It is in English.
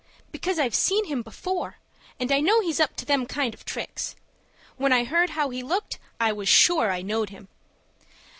"Because I've seen him before, and I know he's up to them kind of tricks. When I heard how he looked, I was sure I knowed him."